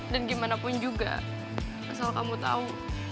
dan gimana pun juga asal kamu tahu